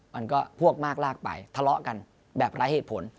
มันก็พวกมากลากไปทะเลาะกันแบบไร้เหตุผล